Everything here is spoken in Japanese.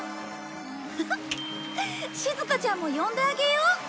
しずかちゃんも呼んであげよう。